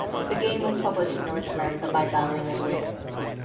The game was published in North America by Bally Midway.